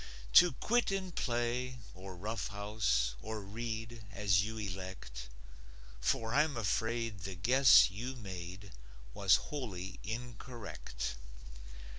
To quit and play, or roughhouse, Or read, as you elect; For I'm afraid the guess you made Was wholly incorrect.